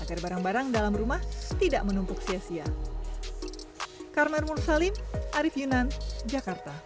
agar barang barang dalam rumah tidak menumpuk sia sia